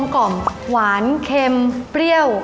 กล่อมหวานเค็มเปรี้ยว